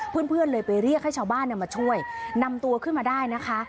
เพื่อนเลยไปเรียกให้ชาวบ้านมาช่วยนำตัวขึ้นมาได้นะคะ